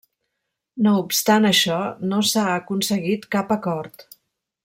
No obstant això, no s'ha aconseguit cap acord.